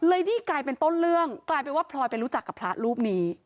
นี่กลายเป็นต้นเรื่องกลายเป็นว่าพลอยไปรู้จักกับพระรูปนี้